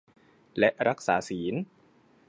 และรักษาศีล